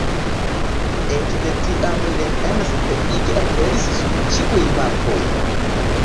Ekde tiam Rennsteig aperis sur ĉiuj mapoj.